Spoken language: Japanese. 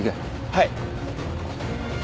はい。